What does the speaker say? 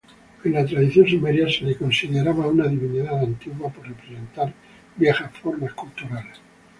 En la tradición sumeria era considerada una divinidad "antigua", por representar viejas formas culturales.